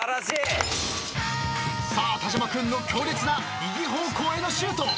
［さあ田島君の強烈な右方向へのシュート］